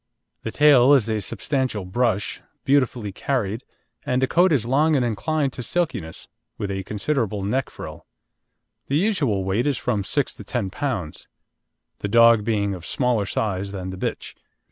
The tail is a substantial brush, beautifully carried, and the coat is long and inclined to silkiness, with a considerable neck frill. The usual weight is from six to ten pounds, the dog being of smaller size than the bitch.